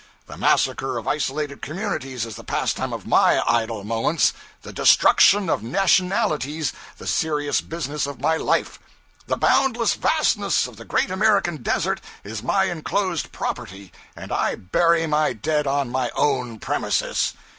The massacre of isolated communities is the pastime of my idle moments, the destruction of nationalities the serious business of my life! The boundless vastness of the great American desert is my enclosed property, and I bury my dead on my own premises!'